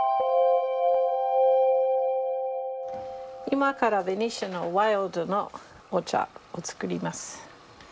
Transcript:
今からベニシアのワイルドのお茶作ります。